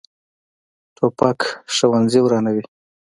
توپک ښوونځي ورانوي.